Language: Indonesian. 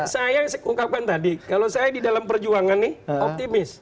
saya yang ungkapkan tadi kalau saya di dalam perjuangan nih optimis